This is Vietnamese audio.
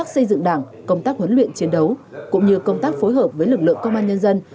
xây dựng đảng công tác huấn luyện chiến đấu cũng như công tác phối hợp với lực lượng công an nhân dân